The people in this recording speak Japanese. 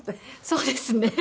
そうですね。